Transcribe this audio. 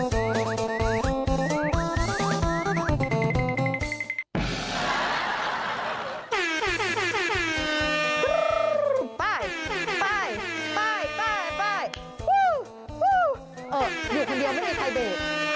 เอออยู่คนเดียวไม่มีใครเบะ